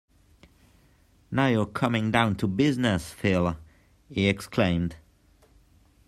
Now you're coming down to business, Phil, he exclaimed.